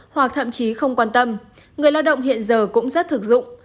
hoặc thậm chí không quan tâm người lao động hiện giờ cũng rất thực dụng